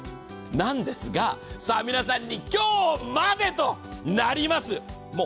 なんですがさあ皆さんに、今日までとなります！